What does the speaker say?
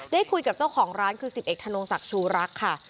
ได้คุยกับเจ้าของร้านคือสิบเอกทานงศักดิ์ชูรักษ์ค่ะ